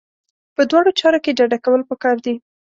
په دواړو چارو کې ډډه کول پکار دي.